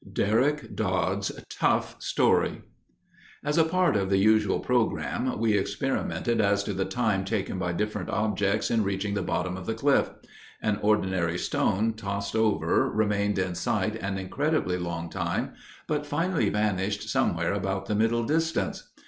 DERRICK DODD'S TOUGH STORY As a part of the usual programme, we experimented as to the time taken by different objects in reaching the bottom of the cliff. An ordinary stone tossed over remained in sight an incredibly long time, but finally vanished somewhere about the middle distance.